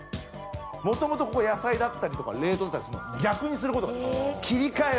もともとここ野菜だったりとか冷凍だったりするのを逆にする事ができる切り替えられる。